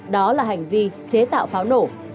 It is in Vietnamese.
đó là hành vi chế tạo pháo nổ